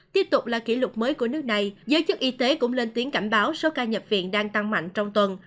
tiếp tục là kỷ lục mới của nước này giới chức y tế cũng lên tiếng cảnh báo số ca nhập viện đang tăng mạnh trong tuần